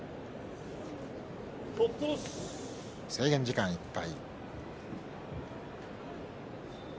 制限時間いっぱい。